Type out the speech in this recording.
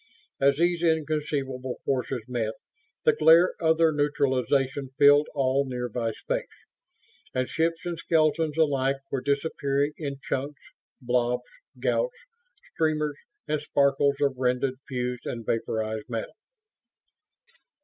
As these inconceivable forces met, the glare of their neutralization filled all nearby space. And ships and skeletons alike were disappearing in chunks, blobs, gouts, streamers and sparkles of rended, fused and vaporized metal.